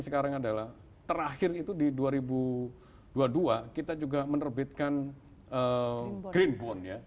sekarang adalah terakhir itu di dua ribu dua puluh dua kita juga menerbitkan green bond ya